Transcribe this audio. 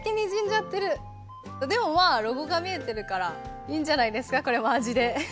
でもまぁロゴが見えてるからいいんじゃないですかこれも味で。